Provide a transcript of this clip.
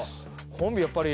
コンビやっぱり。